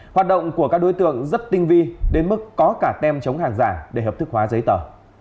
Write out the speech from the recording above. hoạt động của các đối tượng rất tinh vi đến mức có cả tem chống hàng giả để hợp thức hóa giấy tờ